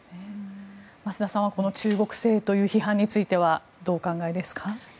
増田さんはこの中国製についての批判についてはどうお考えですか。